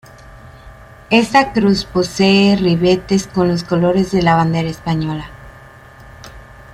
Esta cruz posee ribetes con los colores de la bandera española.